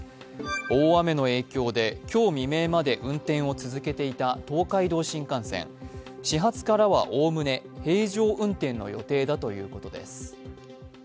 大雨の影響で今日未明まで運転を続けていた東海道新幹線、始発からは概ね平常運転の予定だということです。